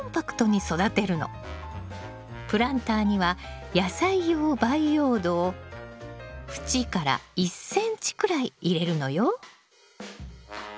プランターには野菜用培養土を縁から１ｃｍくらい入れるのよ。